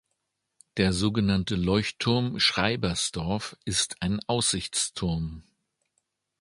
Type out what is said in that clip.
Der so genannte Leuchtturm Schreibersdorf ist ein Aussichtsturm.